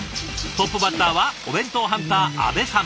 トップバッターはお弁当ハンター阿部さん。